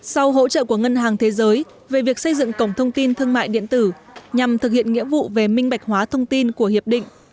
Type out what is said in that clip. sau hỗ trợ của ngân hàng thế giới về việc xây dựng cổng thông tin thương mại điện tử nhằm thực hiện nghĩa vụ về minh bạch hóa thông tin của hiệp định